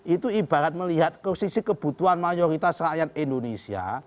itu ibarat melihat ke sisi kebutuhan mayoritas rakyat indonesia